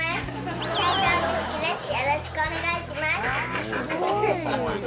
よろしくお願いします。